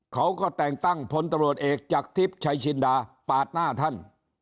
เขาก็แต่งตั้งพลตำรวจเอกจากทิพย์ชัยชินดาปาดหน้าท่าน